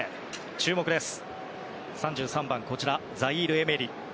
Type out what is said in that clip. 注目です。